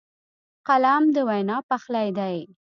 قلم د وینا پخلی دی